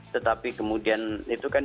tetapi kemudian itu kan